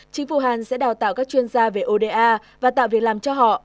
chính phủ hàn sẽ đào tạo các chuyên gia về oda và tạo việc làm cho họ